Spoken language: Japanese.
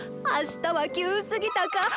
あしたは急すぎたか？